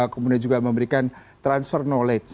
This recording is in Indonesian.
kemudian juga memberikan transfer knowledge